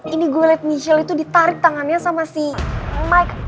ini gue liat michelle itu ditarik tangannya sama si mike